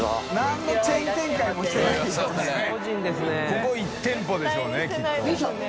ここ１店舗でしょうねきっと。